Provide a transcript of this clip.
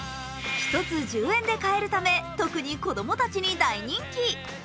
１つ１０円で買えるため、特に子供たちに大人気。